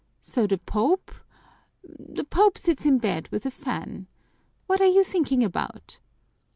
So the Pope the Pope says it in bed with a fan! What are you thinking about?"